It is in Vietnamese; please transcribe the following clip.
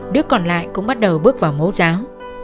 đứa còn lại cũng bắt đầu bước vào mẫu giáo